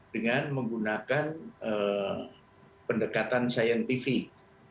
dengan menggunakan pendekatan saintifik